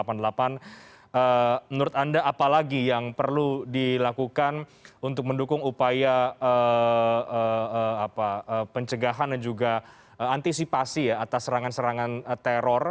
menurut anda apa lagi yang perlu dilakukan untuk mendukung upaya pencegahan dan juga antisipasi atas serangan serangan teror